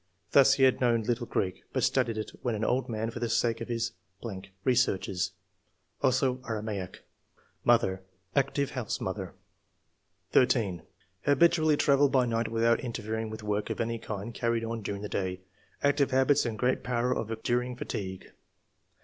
Thus he had known little Greek, but studied it when an old man for the sake of his ... researches ; also Aramaic. Mother — Active housemother." 1 3. " Habitually travel by night without inter fering with work of any kind carried on during the day. Active habits and great power of en during fatigue."